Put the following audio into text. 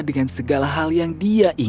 menangal bela biru